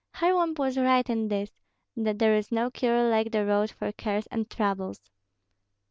Kharlamp was right in this, that there is no cure like the road for cares and troubles.